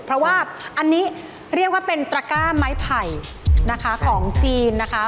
เพราะว่าอันนี้เรียกว่าเป็นตระก้าไม้ไผ่นะคะของจีนนะคะ